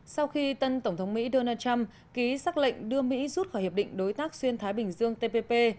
sau khi tân tổng thống mỹ donald trump ký xác lệnh đưa mỹ rút khỏi hiệp định đối tác xuyên thái bình dương tpp